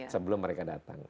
sebelum mereka datang